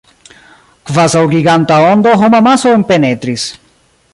Kvazaŭ giganta ondo, homamaso enpenetris.